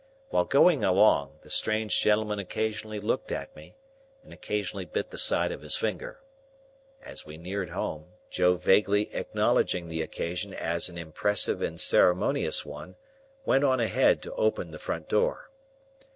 While going along, the strange gentleman occasionally looked at me, and occasionally bit the side of his finger. As we neared home, Joe vaguely acknowledging the occasion as an impressive and ceremonious one, went on ahead to open the front door.